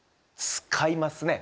使いますね。